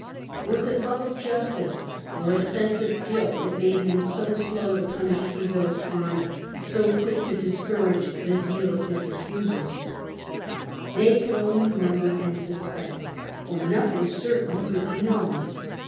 Was it love of justice or a sense of guilt that made him so slow to punish Piso's crime, so quick to discourage the zeal of 54 The Earlier E^npire. a.d. 14 ;, 7. his accusers ? They could only murmur and suspect, fo; nothing certain could be known.